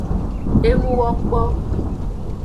Enuwokpo.